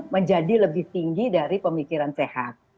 menjadi lebih tinggi dari pemikiran sehat